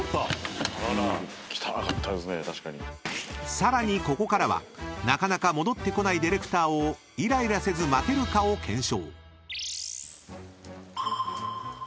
［さらにここからはなかなか戻ってこないディレクターをイライラせず待てるかを検証］